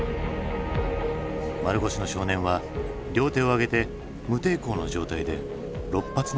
丸腰の少年は両手を上げて無抵抗の状態で６発の銃弾を浴びた。